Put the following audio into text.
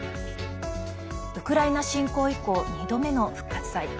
ウクライナ侵攻以降２度目の復活祭。